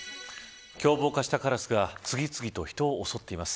凶暴化したカラスが次々と人を襲っています。